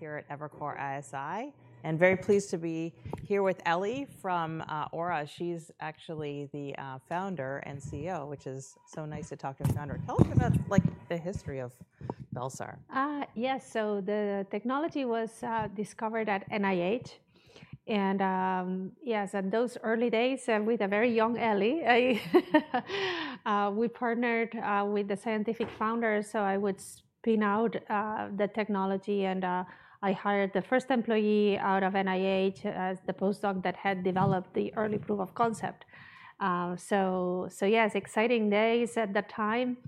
Here at Evercore ISI and very pleased to be here with Ellie from Aura. She's actually the founder and CEO, which is so nice to talk to a founder. Tell us about the history of bel-sar. Yes, so the technology was discovered at NIH, and yes, in those early days, and with a very young Ellie, we partnered with the scientific founder, so I would spin out the technology. And I hired the first employee out of NIH as the postdoc that had developed the early proof of concept. So yes, exciting days at that time.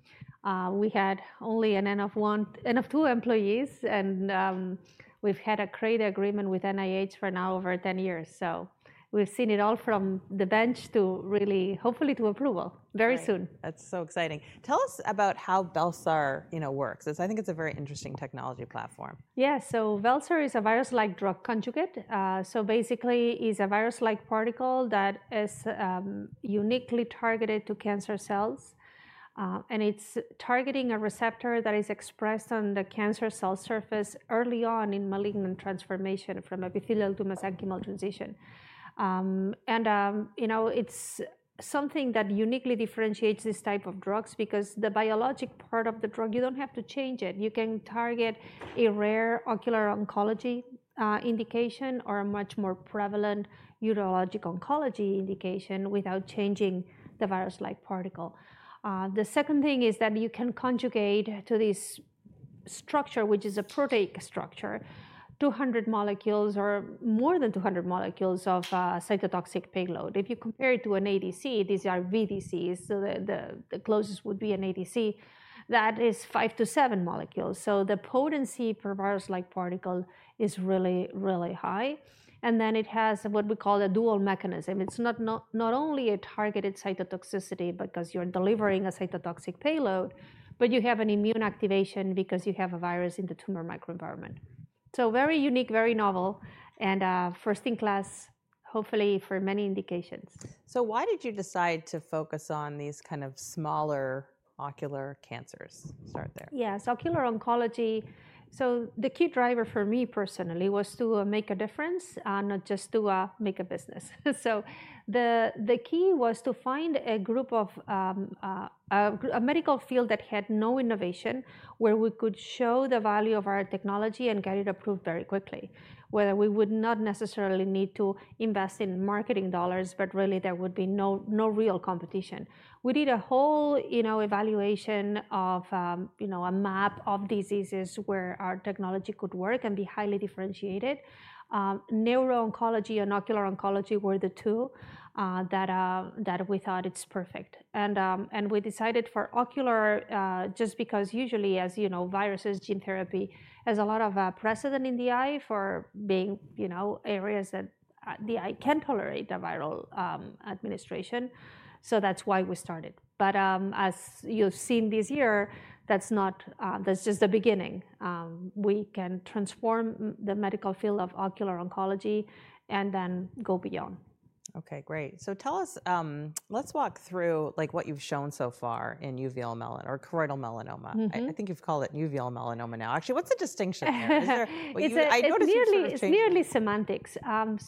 We had only an N of two employees, and we've had a great agreement with NIH for now over 10 years. So we've seen it all from the bench to really, hopefully, to approval very soon. That's so exciting. Tell us about how bel-sar works, as I think it's a very interesting technology platform. Yes, so bel-sar is a virus-like drug conjugate, so basically, it's a virus-like particle that is uniquely targeted to cancer cells, and it's targeting a receptor that is expressed on the cancer cell surface early on in malignant transformation from epithelial to mesenchymal transition, and it's something that uniquely differentiates this type of drugs because the biologic part of the drug, you don't have to change it. You can target a rare ocular oncology indication or a much more prevalent urologic oncology indication without changing the virus-like particle. The second thing is that you can conjugate to this structure, which is a protein structure, 200 molecules or more than 200 molecules of cytotoxic payload. If you compare it to an ADC, these are VDCs, so the closest would be an ADC that is five to seven molecules, so the potency per virus-like particle is really, really high. And then it has what we call a dual mechanism. It's not only a targeted cytotoxicity because you're delivering a cytotoxic payload, but you have an immune activation because you have a virus in the tumor microenvironment. So very unique, very novel, and first in class, hopefully, for many indications. So why did you decide to focus on these kind of smaller ocular cancers? Start there. Yes, ocular oncology, so the key driver for me personally was to make a difference, not just to make a business, so the key was to find a group of a medical field that had no innovation where we could show the value of our technology and get it approved very quickly, where we would not necessarily need to invest in marketing dollars, but really there would be no real competition. We did a whole evaluation of a map of diseases where our technology could work and be highly differentiated. Neuro-oncology and ocular oncology were the two that we thought were perfect, and we decided for ocular just because usually, as you know, viruses, gene therapy has a lot of precedent in the eye for being areas that the eye can tolerate the viral administration, so that's why we started, but as you've seen this year, that's just the beginning. We can transform the medical field of ocular oncology and then go beyond. OK, great. So tell us, let's walk through what you've shown so far in uveal melanoma or choroidal melanoma. I think you've called it uveal melanoma now. Actually, what's the distinction here? It's nearly semantics.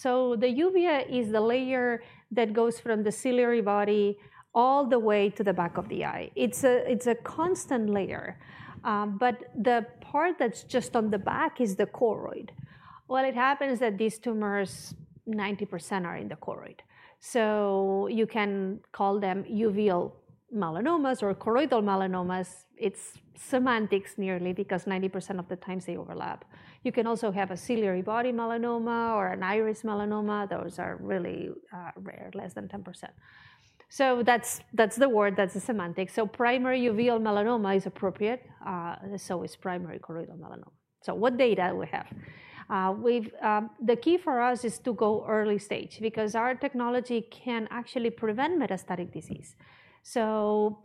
So the uvea is the layer that goes from the ciliary body all the way to the back of the eye. It's a constant layer, but the part that's just on the back is the choroid. What happens is that these tumors, 90% are in the choroid. So you can call them uveal melanomas or choroidal melanomas. It's semantics nearly because 90% of the times they overlap. You can also have a ciliary body melanoma or an iris melanoma. Those are really rare, less than 10%. So that's the word, that's the semantics. So primary uveal melanoma is appropriate, so is primary choroidal melanoma. So what data do we have? The key for us is to go early stage because our technology can actually prevent metastatic disease. So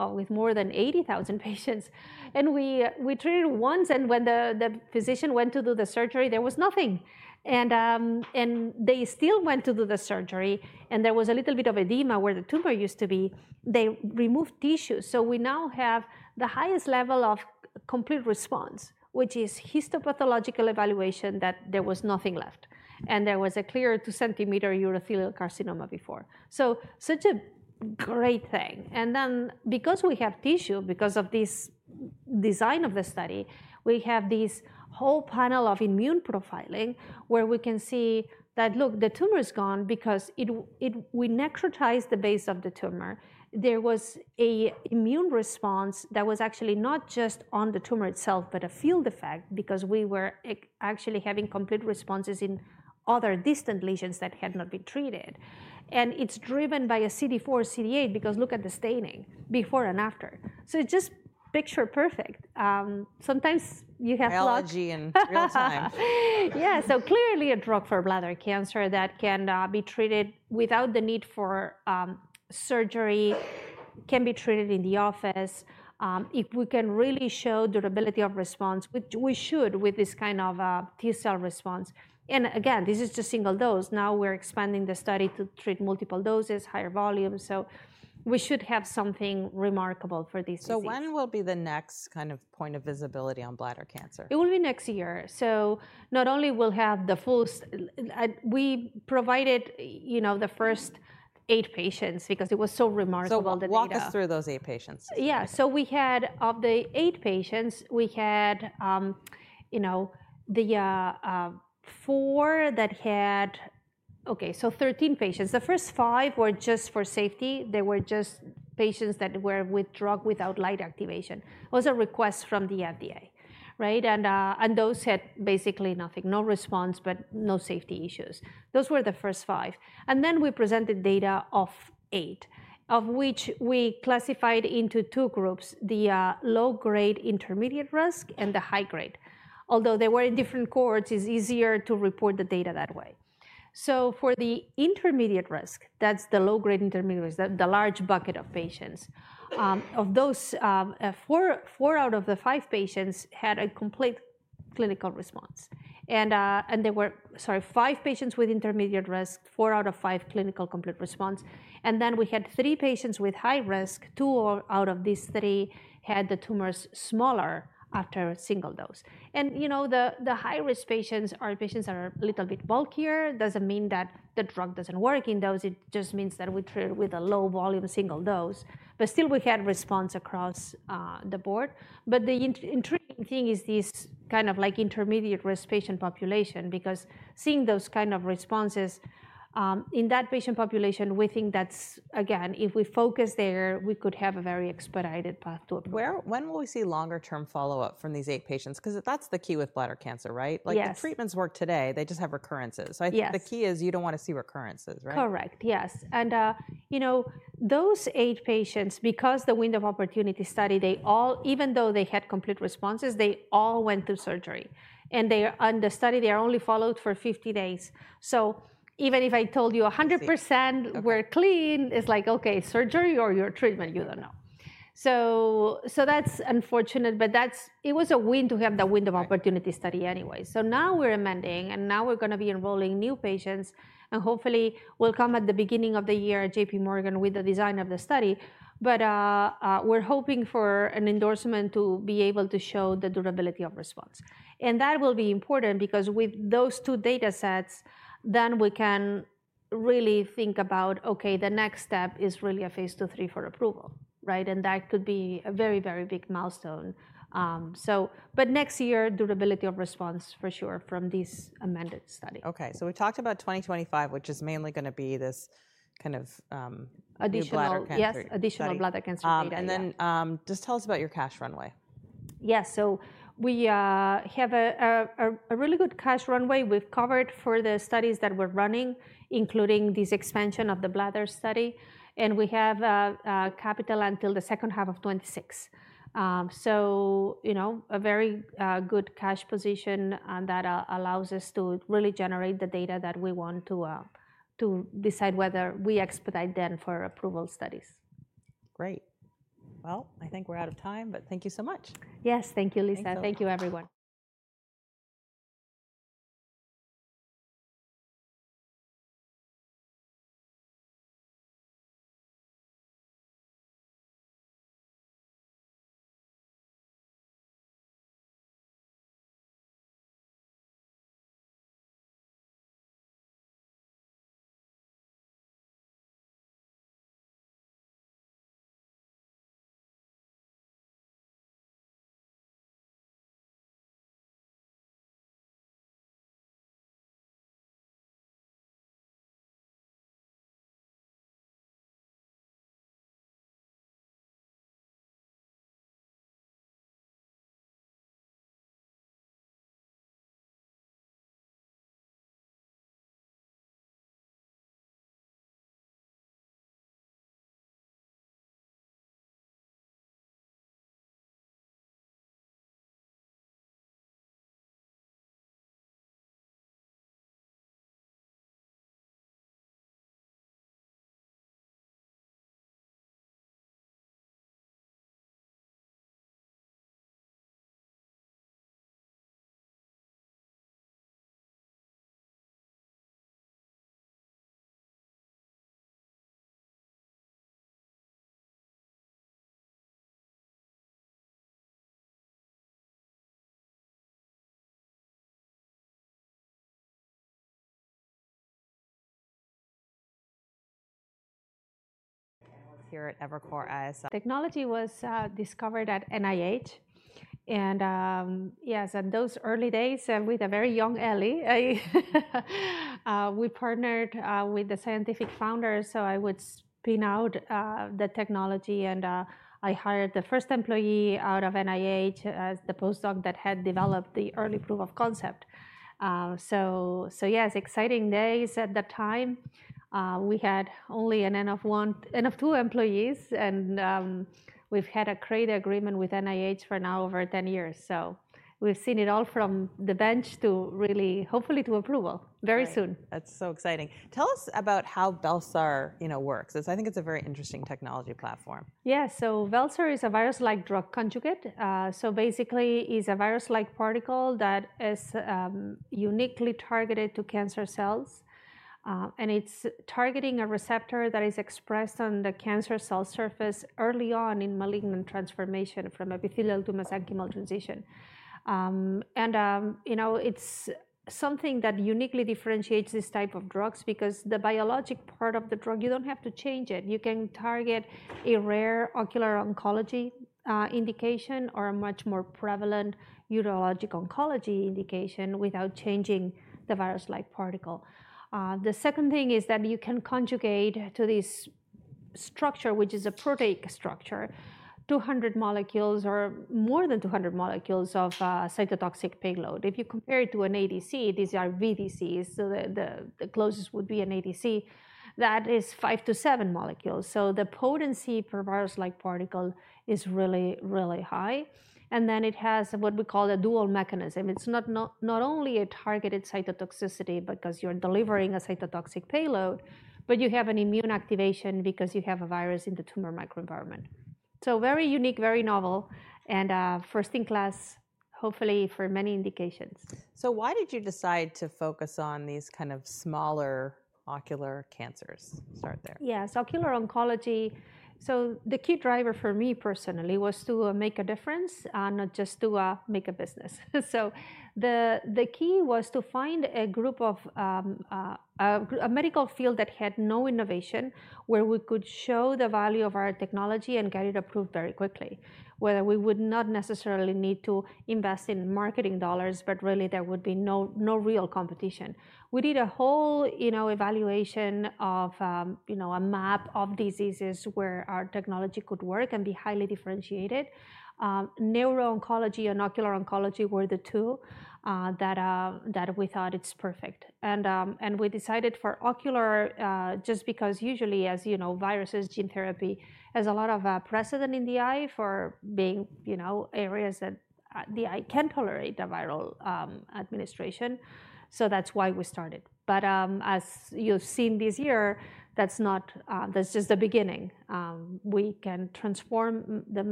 pre-metastatic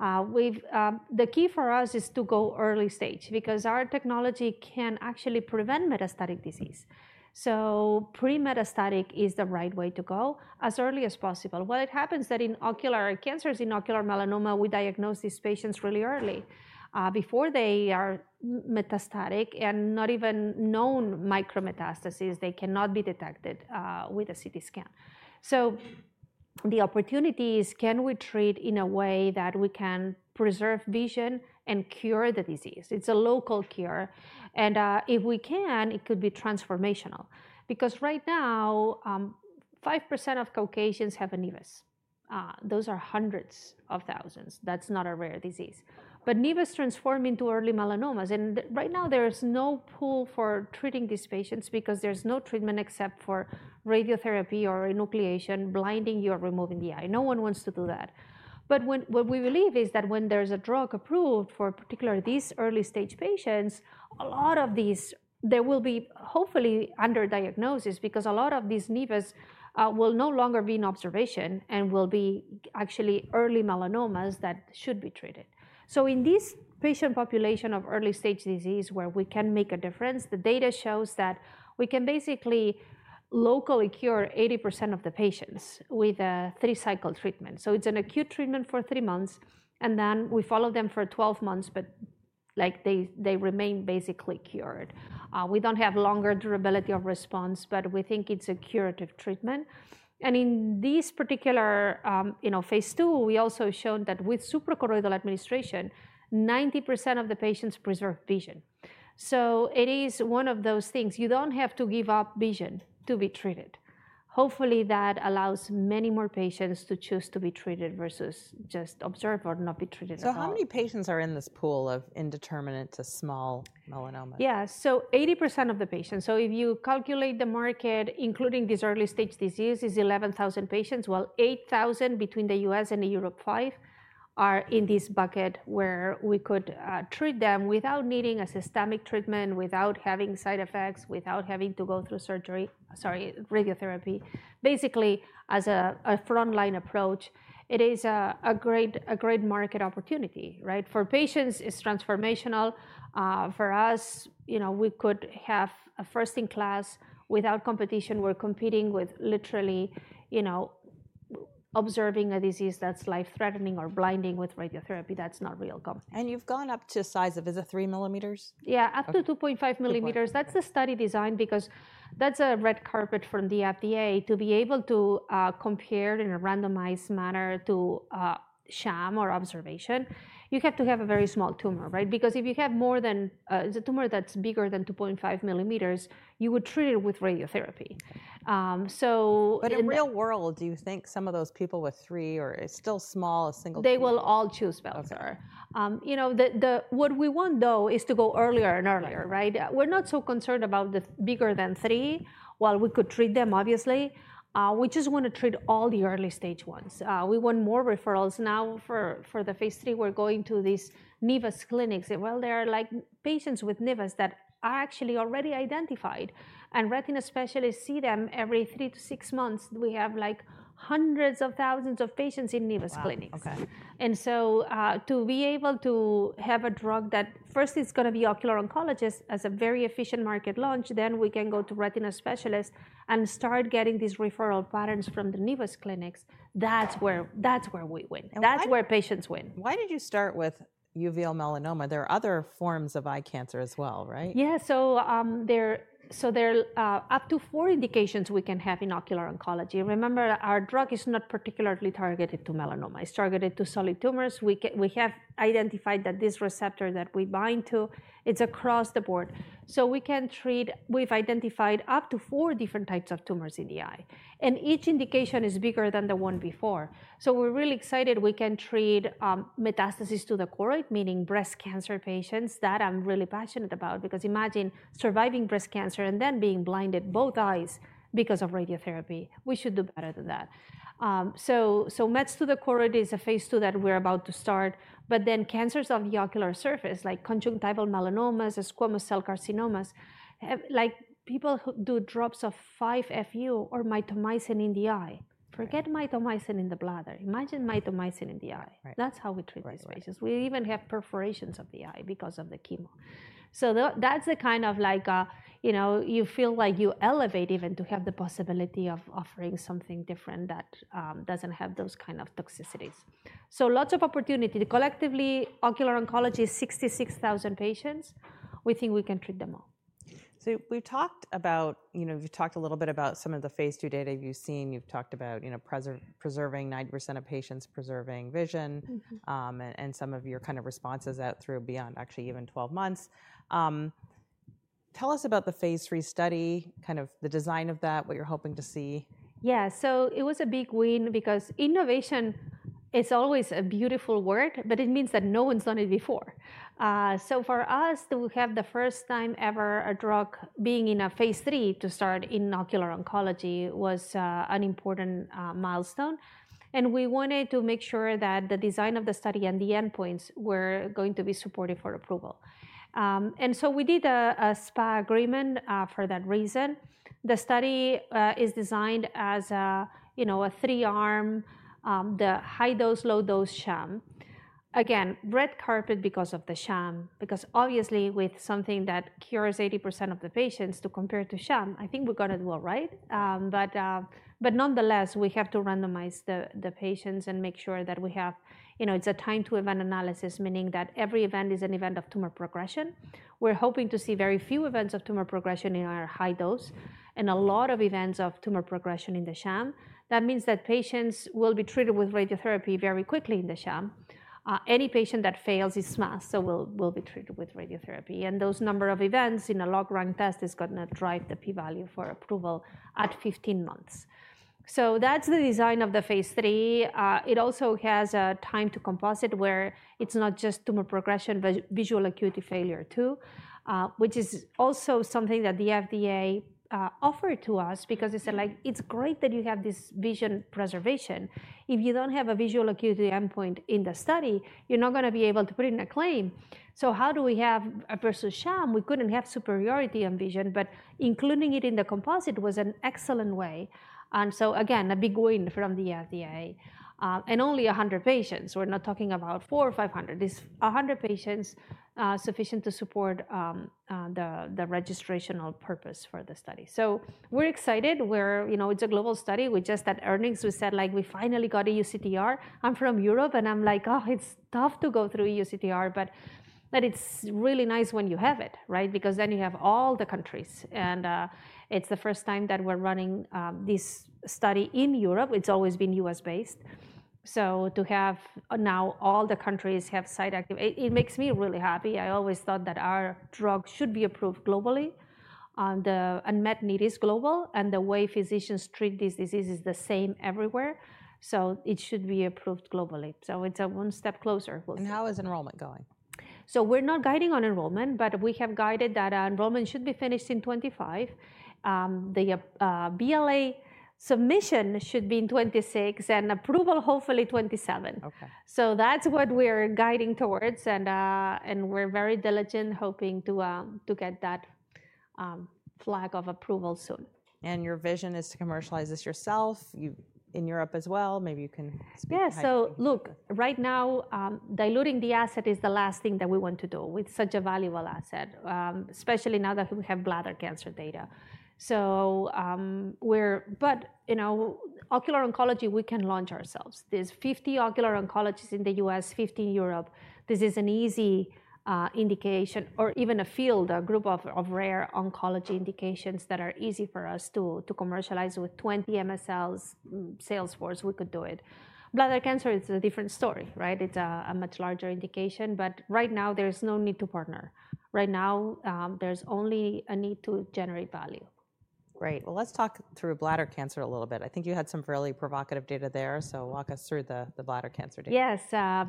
is the right way to go as early as possible. What happens is that in ocular cancers, in ocular melanoma, we diagnose these patients really early before they are metastatic and not even known micrometastases. They cannot be detected with a CT scan. So the opportunity is, can we treat in a way that we can preserve vision and cure the disease? It's a local cure, and if we can, it could be transformational because right now, 5% of Caucasians have a nevi. Those are hundreds of thousands. That's not a rare disease, but nevus transform into early melanomas, and right now, there is no tool for treating these patients because there's no treatment except for radiotherapy or enucleation, blinding you or removing the eye. No one wants to do that. But what we believe is that when there's a drug approved for particularly these early stage patients, a lot of these there will be hopefully underdiagnosed because a lot of these nevus will no longer be in observation and will be actually early melanomas that should be treated. So in this patient population of early stage disease where we can make a difference, the data shows that we can basically locally cure 80% of the patients with a three-cycle treatment. So it's an acute treatment for three months, and then we follow them for 12 months, but they remain basically cured. We don't have longer durability of response, but we think it's a curative treatment. And in this particular phase two, we also showed that with suprachoroidal administration, 90% of the patients preserve vision. So it is one of those things. You don't have to give up vision to be treated. Hopefully, that allows many more patients to choose to be treated versus just observe or not be treated at all. How many patients are in this pool of indeterminate to small melanoma? Yes, so 80% of the patients. If you calculate the market, including these early stage diseases, is 11,000 patients. Well, 8,000 between the U.S. and Europe, 5,000 are in this bucket where we could treat them without needing a systemic treatment, without having side effects, without having to go through surgery, sorry, radiotherapy. Basically, as a frontline approach, it is a great market opportunity, right? For patients, it's transformational. For us, we could have a first in class without competition. We're competing with literally observing a disease that's life-threatening or blinding with radiotherapy. That's not real gold. You've gone up to size of, is it three millimeters? Yeah, up to 2.5 millimeters. That's the study design because that's a red carpet from the FDA to be able to compare in a randomized manner to sham or observation. You have to have a very small tumor, right? Because if you have a tumor that's bigger than 2.5 millimeters, you would treat it with radiotherapy. But in real world, do you think some of those people with three or it's still small, a single tumor? They will all choose bel-sar. What we want, though, is to go earlier and earlier, right? We're not so concerned about the bigger than three. While we could treat them, obviously, we just want to treat all the early stage ones. We want more referrals. Now for the phase three, we're going to these nevus clinics. Well, there are patients with nevus that are actually already identified, and retina specialists see them every three to six months. We have hundreds of thousands of patients in nevus clinics, and so to be able to have a drug that first is going to be ocular oncologists as a very efficient market launch, then we can go to retina specialists and start getting these referral patterns from the nevus clinics. That's where we win. That's where patients win. Why did you start with uveal melanoma? There are other forms of eye cancer as well, right? Yes, so there are up to four indications we can have in ocular oncology. Remember, our drug is not particularly targeted to melanoma. It's targeted to solid tumors. We have identified that this receptor that we bind to, it's across the board. So we can treat. We've identified up to four different types of tumors in the eye, and each indication is bigger than the one before. So we're really excited we can treat metastasis to the choroid, meaning breast cancer patients. That I'm really passionate about because imagine surviving breast cancer and then being blinded both eyes because of radiotherapy. We should do better than that. So mets to the choroid is a phase two that we're about to start, but then cancers of the ocular surface, like conjunctival melanomas, squamous cell carcinomas, like people who do drops of 5-FU or mitomycin in the eye. Forget mitomycin in the bladder. Imagine mitomycin in the eye. That's how we treat these patients. We even have perforations of the eye because of the chemo. So that's the kind of like you feel like you elevate even to have the possibility of offering something different that doesn't have those kind of toxicities. So lots of opportunity. Collectively, ocular oncology is 66,000 patients. We think we can treat them all. So we've talked about. You've talked a little bit about some of the phase two data you've seen. You've talked about preserving 90% of patients, preserving vision, and some of your kind of responses out through beyond actually even 12 months. And so we did a SPA agreement for that reason. The study is designed as a three-arm, the high-dose, low-dose sham. Again, red carpet because of the sham because obviously with something that cures 80% of the patients to compare to sham, I think we're going to do all right. But nonetheless, we have to randomize the patients and make sure that we have. It's a time-to-event analysis, meaning that every event is an event of tumor progression. We're hoping to see very few events of tumor progression in our high dose and a lot of events of tumor progression in the sham. That means that patients will be treated with radiotherapy very quickly in the sham. Any patient that fails the sham, so will be treated with radiotherapy. And those number of events in a log-rank test is going to drive the p-value for approval at 15 months. So that's the design of the phase 3. It also has a time-to-composite where it's not just tumor progression, but visual acuity failure too, which is also something that the FDA offered to us because they said, like, it's great that you have this vision preservation. If you don't have a visual acuity endpoint in the study, you're not going to be able to put it in a claim. So how do we have versus sham? We couldn't have superiority on vision, but including it in the composite was an excellent way, and so again, a big win from the FDA, and only 100 patients. We're not talking about 400 or 500. It's 100 patients sufficient to support the registrational purpose for the study, so we're excited. It's a global study. We just had earnings. We said, like, we finally got EUCTR. I'm from Europe, and I'm like, oh, it's tough to go through EUCTR, but it's really nice when you have it, right? Because then you have all the countries, and it's the first time that we're running this study in Europe. It's always been US-based, so to have now all the countries have sites activated, it makes me really happy. I always thought that our drug should be approved globally, and unmet need is global. The way physicians treat these diseases is the same everywhere. It should be approved globally. It's one step closer, we'll say. How is enrollment going? So we're not guiding on enrollment, but we have guided that enrollment should be finished in 2025. The BLA submission should be in 2026 and approval hopefully 2027. So that's what we're guiding towards. And we're very diligent hoping to get that flag of approval soon. Your vision is to commercialize this yourself in Europe as well. Maybe you can speak to that. Yeah, so look, right now, diluting the asset is the last thing that we want to do with such a valuable asset, especially now that we have bladder cancer data. But ocular oncology, we can launch ourselves. There's 50 ocular oncologists in the U.S., 50 in Europe. This is an easy indication or even a field, a group of rare oncology indications that are easy for us to commercialize with 20 MSLs, sales force, we could do it. Bladder cancer is a different story, right? It's a much larger indication. But right now, there is no need to partner. Right now, there's only a need to generate value. Great. Well, let's talk through bladder cancer a little bit. I think you had some fairly provocative data there. So walk us through the bladder cancer data. Yes,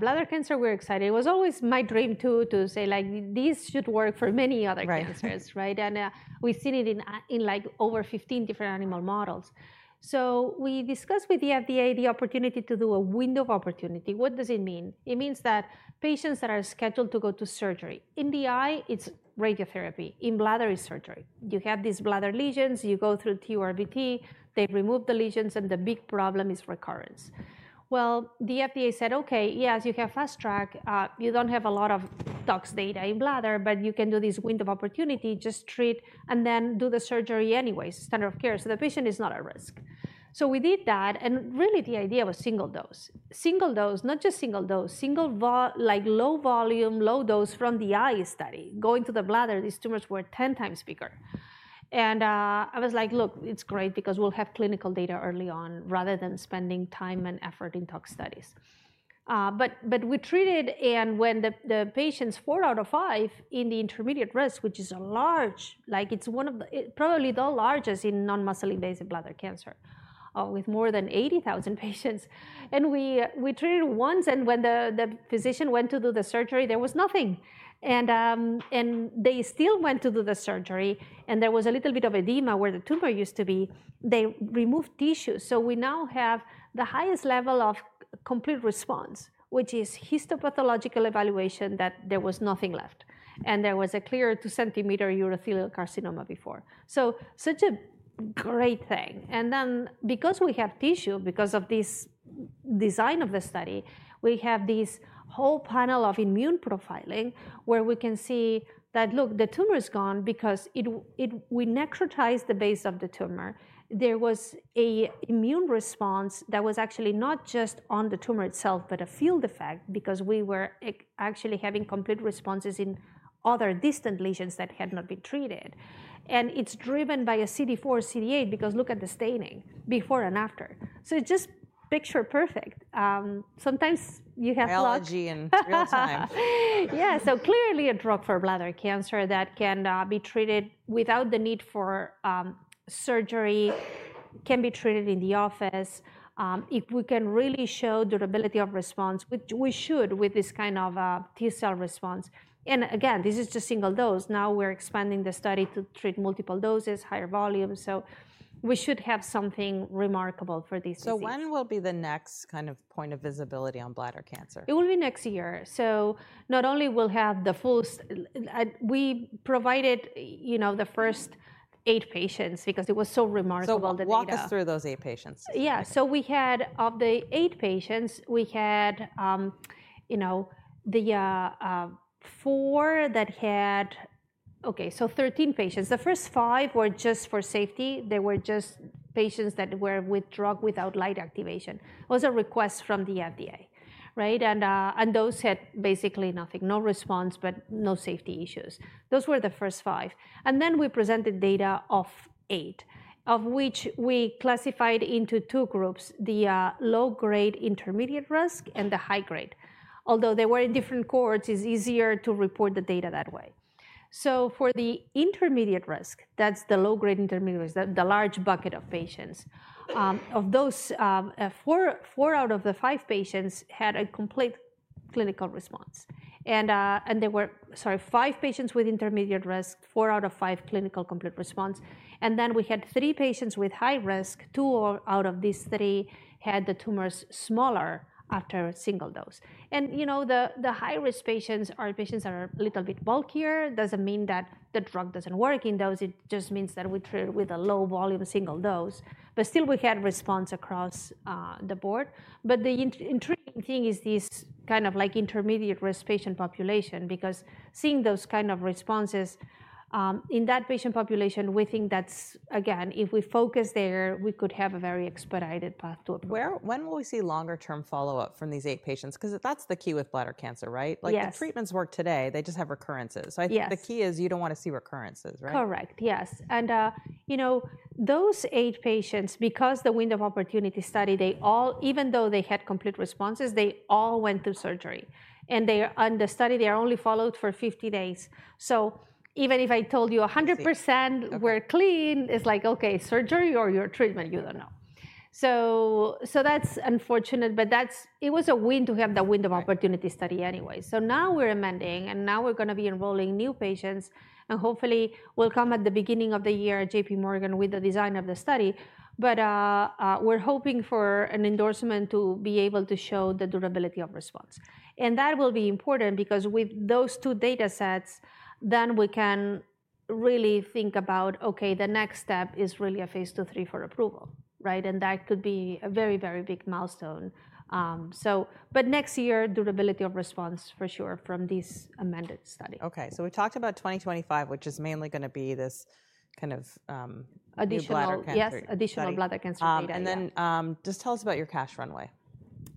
bladder cancer, we're excited. It was always my dream to say, like, these should work for many other cancers, right? And we've seen it in like over 15 different animal models. So we discussed with the FDA the opportunity to do a window of opportunity. What does it mean? It means that patients that are scheduled to go to surgery in the eye, it's radiotherapy. In bladder is surgery. You have these bladder lesions. You go through TURBT. They remove the lesions, and the big problem is recurrence. Well, the FDA said, OK, yes, you have fast track. You don't have a lot of tox data in bladder, but you can do this window of opportunity, just treat and then do the surgery anyways, standard of care. So the patient is not at risk. So we did that. And really, the idea was single dose. Single dose, not just single dose, single low volume, low dose from the eye study going to the bladder. These tumors were 10 times bigger. And I was like, look, it's great because we'll have clinical data early on rather than spending time and effort in tox studies. But we treated, and when the patients 4 out of 5 in the intermediate risk, which is a large, like it's one of the probably the largest in non-muscle-invasive bladder cancer with more than 80,000 patients. And we treated once, and when the physician went to do the surgery, there was nothing. And they still went to do the surgery, and there was a little bit of edema where the tumor used to be. They removed tissue. So we now have the highest level of complete response, which is histopathological evaluation that there was nothing left. There was a clear 2-centimeter urothelial carcinoma before. Such a great thing. Then because we have tissue, because of this design of the study, we have this whole panel of immune profiling where we can see that, look, the tumor is gone because we necrotized the base of the tumor. There was an immune response that was actually not just on the tumor itself, but a field effect because we were actually having complete responses in other distant lesions that had not been treated. It's driven by a CD4, CD8 because look at the staining before and after. It's just picture perfect. Sometimes you have lot. Analogy in real time. Yeah, so clearly a drug for bladder cancer that can be treated without the need for surgery, can be treated in the office. We can really show durability of response, which we should with this kind of T cell response, and again, this is just single dose. Now we're expanding the study to treat multiple doses, higher volume, so we should have something remarkable for these patients. When will be the next kind of point of visibility on bladder cancer? It will be next year, so not only we'll have the full we provided the first eight patients because it was so remarkable that we got. So walk us through those eight patients. Yeah, so okay, so 13 patients. The first five were just for safety. They were just patients that were with drug without light activation. It was a request from the FDA, right? And those had basically nothing, no response, but no safety issues. Those were the first five. And then we presented data of eight, of which we classified into two groups, the low-grade intermediate risk and the high-grade. Although they were in different cohorts, it's easier to report the data that way. So for the intermediate risk, that's the low-grade intermediate risk, the large bucket of patients, of those four out of the five patients had a complete clinical response. And there were five patients with intermediate risk, four out of five clinical complete response. And then we had three patients with high risk. Two out of these three had the tumors smaller after a single dose, and the high-risk patients are patients that are a little bit bulkier. It doesn't mean that the drug doesn't work in those. It just means that we treat with a low-volume single dose, but still, we had response across the board. But the intriguing thing is this kind of like intermediate risk patient population because, seeing those kind of responses in that patient population, we think that's, again, if we focus there, we could have a very expedited path to it. When will we see longer-term follow-up from these eight patients? Because that's the key with bladder cancer, right? Like the treatments work today. They just have recurrences. So I think the key is you don't want to see recurrences, right? Correct, yes. And those eight patients, because the window of opportunity study, even though they had complete responses, they all went through surgery. And in the study, they are only followed for 50 days. So even if I told you 100% were clean, it's like, OK, surgery or your treatment, you don't know. So that's unfortunate, but it was a win to have the window of opportunity study anyway. So now we're amending, and now we're going to be enrolling new patients. And hopefully, we'll come at the beginning of the year, J.P. Morgan, with the design of the study. But we're hoping for an endorsement to be able to show the durability of response. And that will be important because with those two data sets, then we can really think about, OK, the next step is really a phase two or three for approval, right? That could be a very, very big milestone. Next year, durability of response for sure from this amended study. OK, so we talked about 2025, which is mainly going to be this kind of new bladder cancer. Additional bladder cancer data. And then just tell us about your cash runway?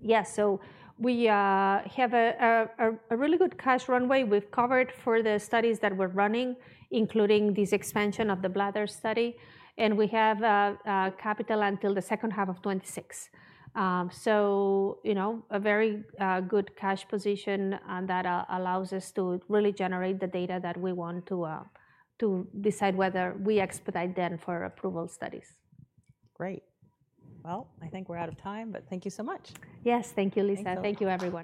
Yeah, so we have a really good cash runway. We've covered for the studies that we're running, including this expansion of the bladder study. And we have capital until the second half of 2026. So a very good cash position that allows us to really generate the data that we want to decide whether we expedite them for approval studies. Great. Well, I think we're out of time, but thank you so much. Yes, thank you, Liisa. Thank you, everyone.